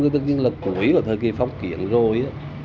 tự nhiên là cuối của thời kỳ phong kiến rồi